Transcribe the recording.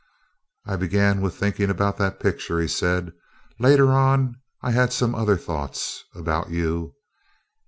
"I began with thinking about that picture," he said. "Later on I had some other thoughts about you.